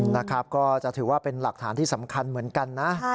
นะครับก็จะถือว่าเป็นหลักฐานที่สำคัญเหมือนกันนะ